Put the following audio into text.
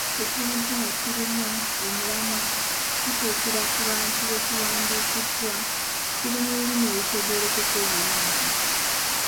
Ekiwandiiko nga kirimu omulamwa, kituukira ku bantu be kiwandiikiddwa, kiri mu lulimi olutegeerekeka obulungi.